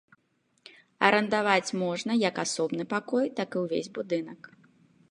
Арандаваць можна як асобны пакой, так і ўвесь будынак.